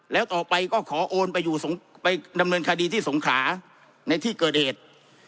แล้วต่อไปก็ขอโอนไปอยู่ไปดำเนินคดีที่สงขาในที่เกิดเหตุ